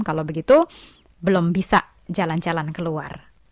kalau begitu belum bisa jalan jalan keluar